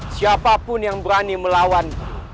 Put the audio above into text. siapapun yang berani melawan